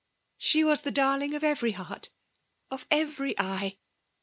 She was the darling of evwrf heart — of every eye.